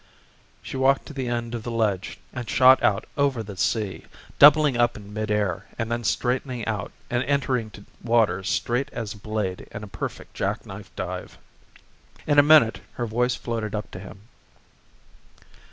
She walked to the end of the ledge and shot out over the sea, doubling up in mid air and then straightening out and entering to water straight as a blade in a perfect jack knife dive. In a minute her voice floated up to him.